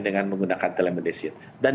dengan menggunakan telemedicine dan minggu depan